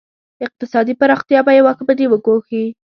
اقتصادي پراختیا به یې واکمني وګواښي.